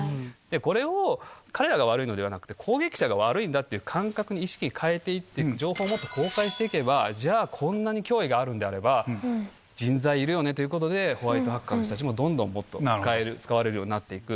これを、彼らが悪いのではなくて、攻撃者が悪いんだって感覚に、意識変えていって、情報をもっと公開していけば、じゃあ、こんなに脅威があるんであれば、人材いるよねということで、ホワイトハッカーの人たちもどんどんもっと使われるようになっていく。